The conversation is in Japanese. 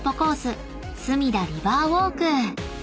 すみだリバーウォーク］